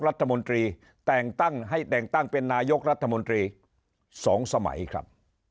รัฐมนตรีแต่งตั้งให้แต่งตั้งเป็นนายกรัฐมนตรี๒สมัยครับ